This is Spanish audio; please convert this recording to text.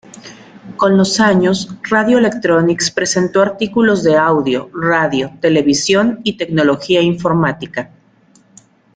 Con los años, Radio-Electronics presentó artículos de audio, radio, televisión y tecnología informática.